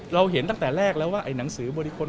เห็นตั้งแต่แรกแล้วว่าไอหนังสือบริคล